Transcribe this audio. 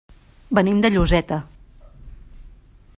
Venim de Lloseta.